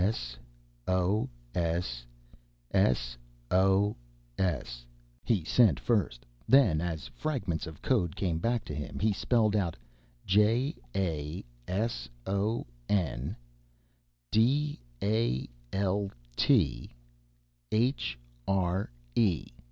S O S ... S O S ... he sent first, then as fragments of code came back to him he spelled out J A S O N D A L T H R E....